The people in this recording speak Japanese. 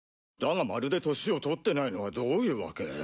だがまるで年を取っていないのはどういうわけ？